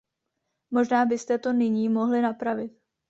Možná byste to nyní mohli napravit.